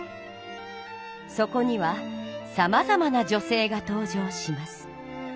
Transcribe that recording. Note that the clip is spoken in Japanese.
そこにはさまざまな女性が登場します。